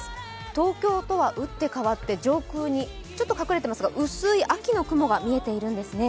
東京とは打って変わって、上空にちょっと隠れていますが、薄い秋の雲が見えていますね。